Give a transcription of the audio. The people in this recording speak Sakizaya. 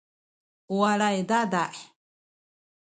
u walay dada’